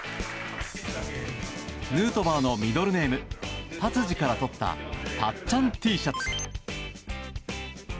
ヌートバーのミドルネーム達治からとったたっちゃんＴシャツ。